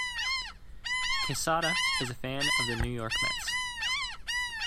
Quesada is a fan of the New York Mets.